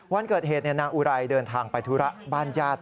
วันเกิดเหตุนางอุไรเดินทางไปธุระบ้านญาติ